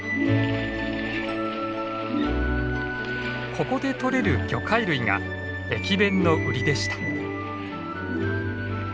ここでとれる魚介類が駅弁のウリでした。